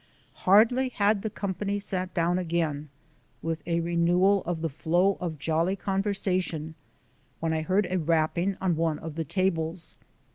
Hardly had the company sat down again, with a renewal of the flow of jolly conversation When I heard a rapping on one of the tables.